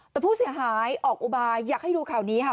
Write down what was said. แต่ผู้เสียหายออกอุบายอยากให้ดูข่าวนี้ค่ะ